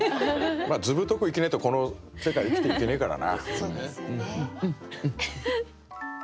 ずぶとく生きねえとこの世界生きていけねえからな。